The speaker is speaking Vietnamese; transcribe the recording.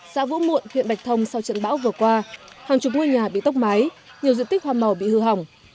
xã vũ muộn huyện bạch thông sau trận bão vừa qua hàng chục ngôi nhà bị tốc mái nhiều diện tích hoa màu bị hư hỏng